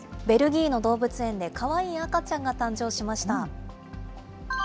ベルギーの動物園でかわいい赤ちゃんが誕生しました。